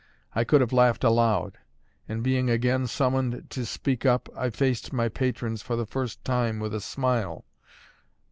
I could have laughed aloud; and being again summoned to speak up, I faced my patrons for the first time with a smile.